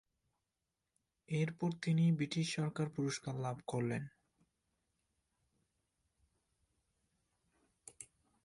এরপর তিনি ব্রিটিশ সরকার পুরস্কার লাভ করেন।